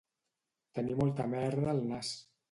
Tenir molta merda al nas